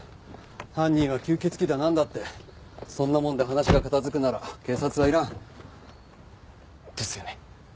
犯人は吸血鬼だなんだってそんなもんで話が片付くなら警察はいらん。ですよね。